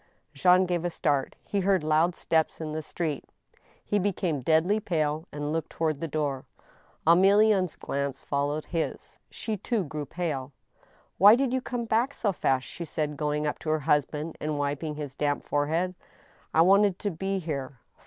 " Jean gave a start He heard loud steps in the street. He be came deadly pale and looked toward the door. Emilienne's glance followed his. She too grew pale. " Why did you come back so fast ?" she said, going up to her husband and wiping his damp forehead. " I wanted to be here